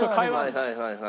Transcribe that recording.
はいはいはいはい。